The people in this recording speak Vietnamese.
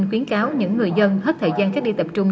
khuyến cáo những người dân hết thời gian cách ly tập trung